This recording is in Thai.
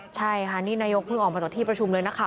ใช่ค่ะนี่นายกเพิ่งออกมาจากที่ประชุมเลยนะคะ